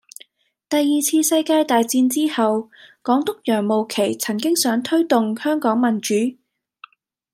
第二次世界大戰之後，港督楊慕琦曾經想推動香港民主